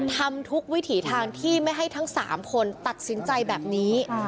ทำทุกวิถีทางที่ไม่ให้ทั้ง๓คนตัดสินใจแบบนี้